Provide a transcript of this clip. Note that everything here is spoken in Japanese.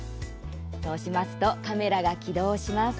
そうしますとカメラが起動します。